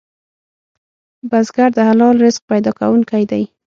بزګر د حلال رزق پیدا کوونکی دی